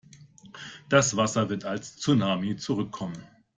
Das Wasser wird als Tsunami zurückkommen.